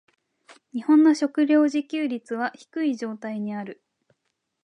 日本の食糧自給率は低い状態にある。